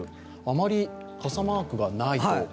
あまり傘マークがないと。